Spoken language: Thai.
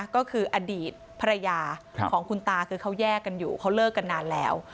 ก็คืออดีตภรรยาของคุณตาคือเขาแยกกันอยู่เขาเลิกกันนานแล้ว